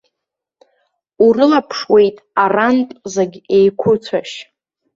Урылаԥшуеит арантә зегь еиқәыцәашь.